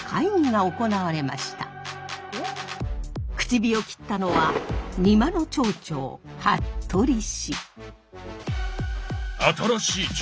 口火を切ったのは仁万の町長服部氏。